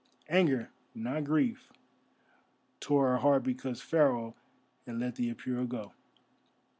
Anger, not grief, tore her heart because Pharaoh had let the Apura go.